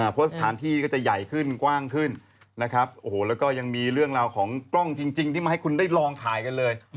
เพราะสถานที่ก็จะใหญ่ขึ้นกว้างขึ้นนะครับโอ้โหแล้วก็ยังมีเรื่องราวของกล้องจริงที่มาให้คุณได้ลองถ่ายกันเลย